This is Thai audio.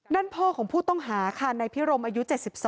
นั่นพ่อของผู้ต้องหาค่ะนายพิรมอายุ๗๒